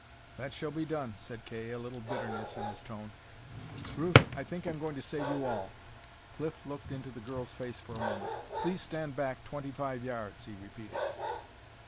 "That shall be done," said Kay, a little bitterness in his tone. "Ruth, I think I'm going to save you all." Cliff looked into the girl's face for a moment. "Please stand back twenty five yards," he repeated.